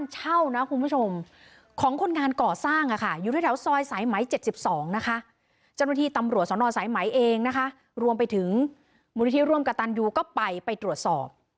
เจ้าหน้าที่ตำรวจสนสายไหมเองนะคะรวมไปถึงมูลนิธิร่วมกับตันยูก็ไปไปตรวจสอบ